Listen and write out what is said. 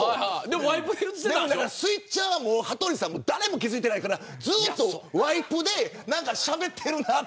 スイッチャーも、羽鳥さんも誰も気付いてないからずっとワイプで何かしゃべってる。